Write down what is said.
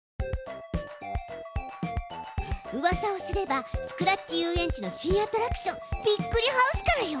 うわさをすればスクラッチゆうえんちの新アトラクションびっくりハウスからよ！